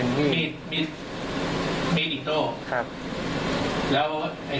แล้วที่ที่ไปชุ้นจีกเขาอีกแบบไหน